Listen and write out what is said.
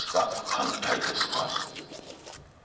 反対ですか？